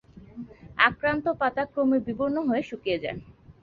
আক্রান্ত পাতা ক্রমে বিবর্ণ হয়ে শুকিয়ে যায়।